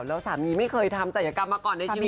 แล้วสามีไม่เคยทำศัยกรรมมาก่อนในชีวิต